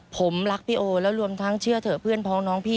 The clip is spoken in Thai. ผมรักพี่โอแล้วรวมทั้งเชื่อเถอะเพื่อนพ้องน้องพี่